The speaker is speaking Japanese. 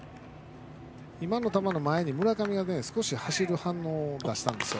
今の球の前に村上が少し走る反応をしたんですよ。